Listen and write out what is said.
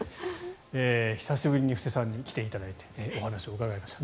久しぶりに布施さんに来ていただいてお話を伺いました。